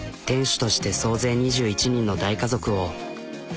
店主として総勢２１人の大家族を。